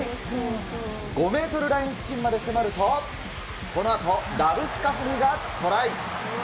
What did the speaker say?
５メートルライン付近まで迫ると、このあと、ラブスカフニがトライ。